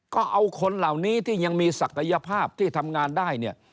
ก็เอาคนเหล่านี้ที่ยังมีศักยภาพที่ทำงานได้เนี่ย